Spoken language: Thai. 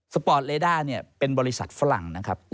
ปอร์ตเลด้าเนี่ยเป็นบริษัทฝรั่งนะครับ